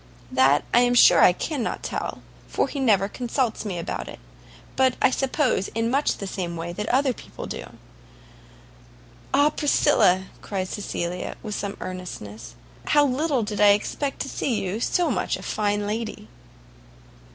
"That I am sure I cannot tell, for he never consults me about it; but I suppose much in the same way that other people do." "Ah, Priscilla!" cried Cecilia, with some earnestness, "how little did I ever expect to see you so much a fine lady!"